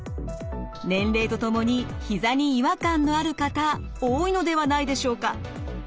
年齢とともにひざに違和感のある方多いのではないでしょうか。